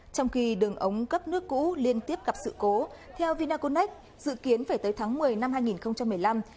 trong khi đường ống cấp nước cũ liên tiếp gặp sự cố theo vinaconex dự kiến phải tới tháng một mươi năm hai nghìn một mươi năm